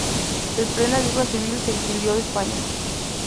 En plena Guerra civil se exilió de España.